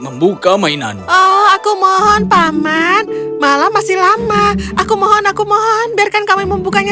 membuka mainan oh aku mohon paman malam masih lama aku mohon aku mohon biarkan kami membukanya